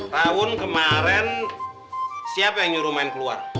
tahun kemarin siapa yang nyuruh main keluar